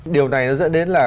điều này nó dẫn đến là